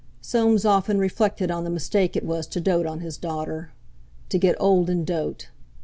Soames often reflected on the mistake it was to dote on his daughter. To get old and dote!